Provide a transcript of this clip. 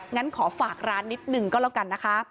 งั้นขอฝากร้านนิดนึงก็แล้วกันนะคะ